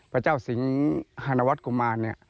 พระเจ้าสิงหานวัฒกุมาร